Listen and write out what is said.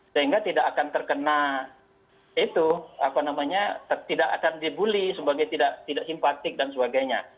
sehingga tidak akan terkena itu apa namanya tidak akan dibully sebagai tidak simpatik dan sebagainya